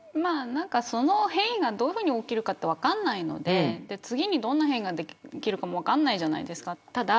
その変異がどのように起きるか分からないので次にどんな事が起きるか分からないじゃないですか。